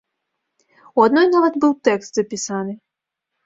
У адной нават быў тэкст запісаны.